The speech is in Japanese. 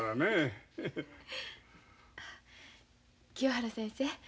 清原先生。